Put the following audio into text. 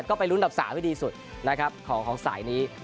ก็ไปลุ้นกับ๓ที่ดีสุดของสายนี้